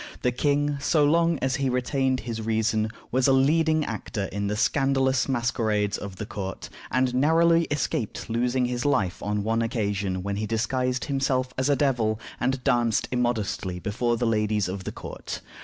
The king, so long as he retained his reason, was a leading actor in the scandalous masquerades of the court, and narrowly escaped losing his life on one occasion when he disguised himself as a devil, and danced immodestly before the ladies of the court.